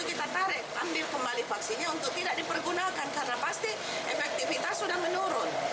kita tarik ambil kembali vaksinnya untuk tidak dipergunakan karena pasti efektifitas sudah menurun